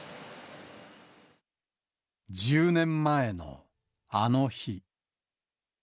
１０年前のあの日。